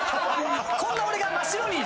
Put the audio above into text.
「こんな俺が真っ白に！」